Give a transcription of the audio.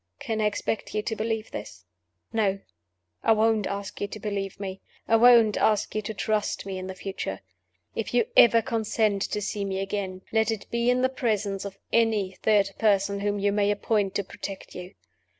Can I expect you to believe this? No. I won't ask you to believe me; I won't ask you to trust me in the future. If you ever consent to see me again, let it be in the presence of any third person whom you may appoint to protect you.